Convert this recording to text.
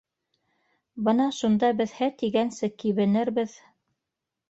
Бына шунда беҙ «һә» тигәнсе кибенербеҙ!